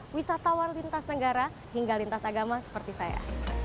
wisatawan lintas negara hingga lintas agama seperti saya